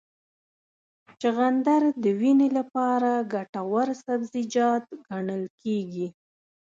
چغندر د وینې لپاره ګټور سبزیجات ګڼل کېږي.